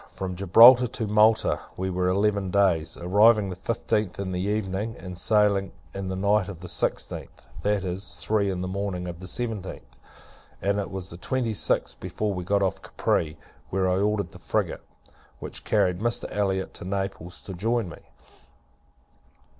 From Gibraltar to Malta, we were eleven days: arriving the fifteenth in the evening, and sailing in the night of the sixteenth that is, three in the morning of the seventeenth and it was the twenty sixth before we got off Capri; where I had ordered the frigate, which carried Mr. Elliot to Naples, to join me.